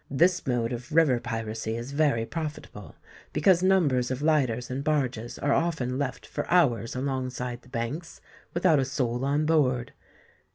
This mode of river piracy is very profitable, because numbers of lighters and barges are often left for hours alongside the banks, without a soul on board.